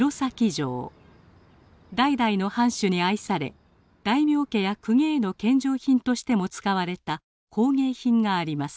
代々の藩主に愛され大名家や公家への献上品としても使われた工芸品があります。